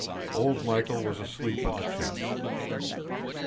Old Michael was asleep on the chest.